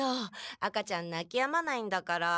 赤ちゃんなきやまないんだから。